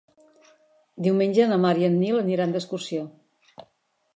Diumenge na Mar i en Nil aniran d'excursió.